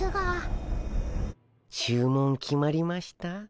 注文決まりました？